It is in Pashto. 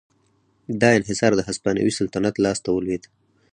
دا انحصار د هسپانوي سلطنت لاس ته ولوېد.